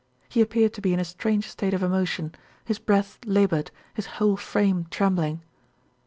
He appeared to be in a strange state of emotion his breath labored, his whole frame trembling.